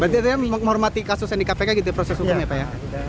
berarti itu ya menghormati kasus yang di kpk gitu proses hukumnya pak ya